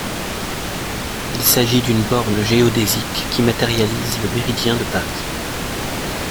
Il s'agit d'une borne géodésique qui matérialise le méridien de Paris.